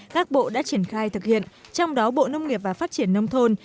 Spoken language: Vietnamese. các bộ đã triển khai thực hiện trong đó bộ nông nghiệp và phát triển nông thôn